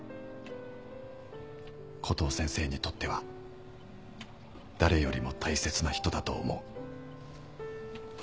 コトー先生にとっては誰よりも大切な人だと思う。